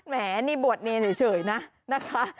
แหมนี่บวชเนนน่ะเฉยนะคะ